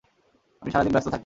আমি সারাদিন ব্যস্ত থাকি।